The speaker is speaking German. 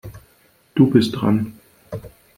Du bist dran.